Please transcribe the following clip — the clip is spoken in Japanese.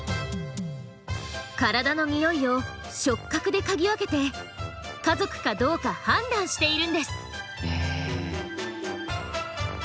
体の匂いを触角で嗅ぎ分けて家族かどうか判断しているんです。